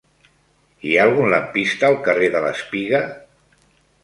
Hi ha algun lampista al carrer de l'Espiga?